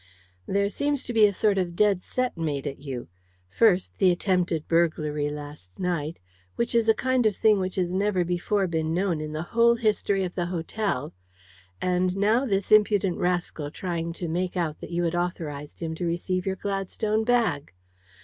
"There seems to be a sort of dead set made at you. First, the attempted burglary last night which is a kind of thing which has never before been known in the whole history of the hotel and now this impudent rascal trying to make out that you had authorised him to receive your Gladstone bag.